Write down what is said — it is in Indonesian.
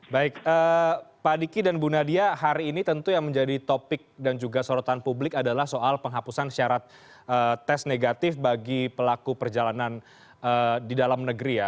baik pak diki dan bu nadia hari ini tentu yang menjadi topik dan juga sorotan publik adalah soal penghapusan syarat tes negatif bagi pelaku perjalanan di dalam negeri ya